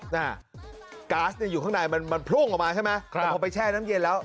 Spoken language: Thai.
นะฮะก๊าซเนี่ยอยู่ข้างในมันมันโพร่งออกมาใช่ไหมแต่พอไปแช่น้ำเย็นแล้ว